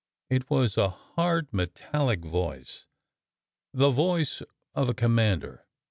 It was a hard, metallic voice, the voice of a commander.